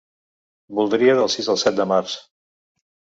Voldria del sis al set de març.